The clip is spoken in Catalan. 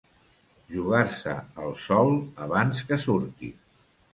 Jugar-se el sol abans que surti.